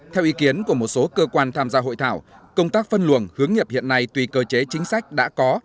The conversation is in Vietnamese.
theo ý kiến của một số cơ quan tham gia hội thảo công tác phân luồng hướng nghiệp hiện nay tùy cơ chế chính sách đã có